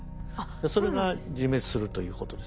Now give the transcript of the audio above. それが自滅するということです。